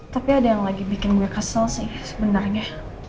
tapi ada yang lagi bikin gue kesel sih sebenarnya